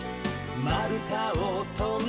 「まるたをとんで」